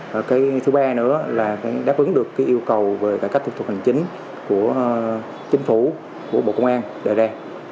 và thứ ba nữa là đáp ứng được yêu cầu về cải cách thu tục hành chính của chính phủ của bộ công an đề ra